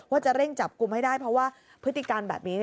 ว่าจะเร่งจับกลุ่มให้ได้เพราะว่าพฤติการแบบนี้